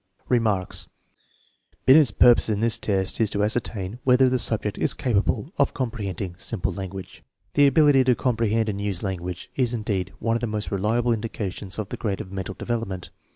Remarks. Binet's purpose in this test 'is to ascertain whether the subject is capable of comprehending simple TEST NO. m, 2 143 language. The ability to comprehend and use language is indeed one of the most reliable indications of the grade of mental development.